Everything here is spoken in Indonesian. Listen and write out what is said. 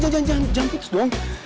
jangan tips dong